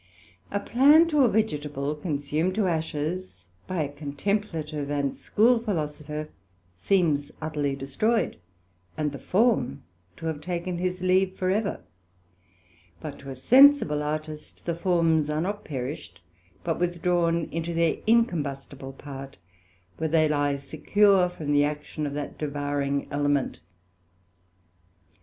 A plant or vegetable consumed to ashes, by a contemplative and school Philosopher seems utterly destroyed, and the form to have taken his leave for ever: But to a sensible Artist the forms are not perished, but withdrawn into their incombustible part, where they lie secure from the action of that devouring element.